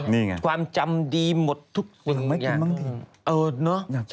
นี่ไงครับทำไม่กินบ้างดิอยากกินความจำดีหมดทุกอย่าง